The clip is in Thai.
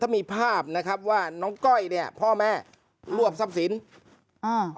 ถ้ามีภาพนะครับว่าน้องก้อยเนี้ยพ่อแม่รวบทรัพย์สินอ่า